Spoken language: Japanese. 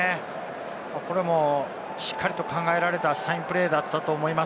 これもしっかりと考えられたサインプレーだったと思います。